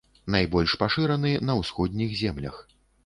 Найбольш пашыраны на ўсходніх землях.